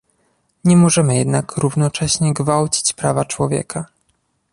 Nie możemy jednak równocześnie gwałcić prawa człowieka